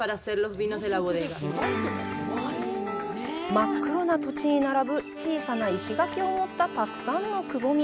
真っ黒な土地に並ぶ小さな石垣を持ったたくさんのくぼみ。